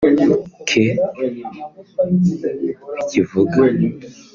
ke kibivuga